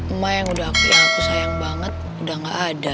emang yang aku sayang banget udah gak ada